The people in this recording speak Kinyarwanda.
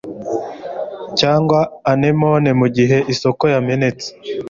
Cyangwa anemone mugihe isoko yamenetse